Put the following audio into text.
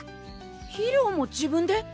肥料も自分で？